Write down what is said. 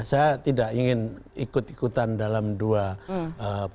saya tidak ingin ikut ikutan dalam dua playing game